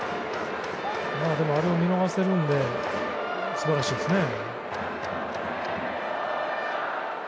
あれを見逃せるので素晴らしいですね。